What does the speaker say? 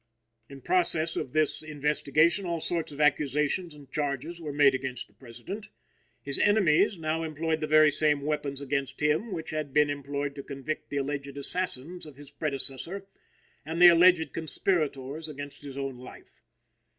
In process of this investigation all sorts of accusations and charges were made against the President. His enemies now employed the very same weapons against him which had been employed to convict the alleged assassins of his predecessor and the alleged conspirators against his own life.